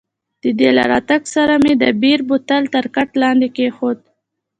د دې له راتګ سره مې د بیر بوتل تر کټ لاندې کښېښود.